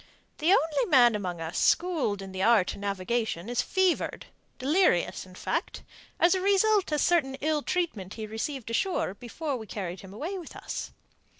The only man among us schooled in the art of navigation is fevered, delirious, in fact, as a result of certain ill treatment he received ashore before we carried him away with us.